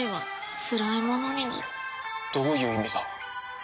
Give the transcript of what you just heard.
どういう意味だ？